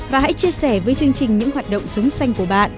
và hãy chia sẻ với chương trình nhân dân